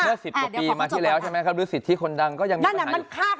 เมื่อสิบประปรีมาที่แล้วหรือสิทธิคนดังก็ยังไม่มีปัญหา